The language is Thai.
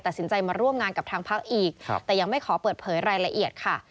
ตัดสินใจมาร่วมงานกับทางพักอีกแต่ยังไม่ขอเปิดเผยรายละเอียดค่ะ